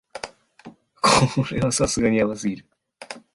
これはさすがにヤバすぎる